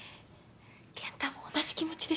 健太も同じ気持ちでしょ？